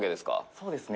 そうですね。